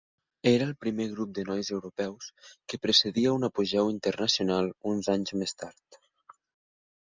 Era el primer grup de nois europeus que precedia un apogeu internacional uns anys més tard.